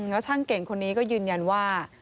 แล้วช่างเก่งคนนี้ก็ยืนยันว่า